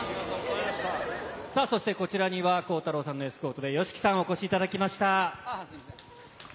こちらには孝太郎さんのエスコートで、ＹＯＳＨＩＫＩさんにお越しいただきました。